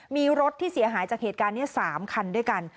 มีรถที่เสียหายจากเหตุการณ์นี้๓คันด้วยกัน